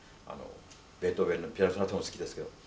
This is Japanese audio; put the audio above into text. ベートーベンのピアノソナタも好きですけど。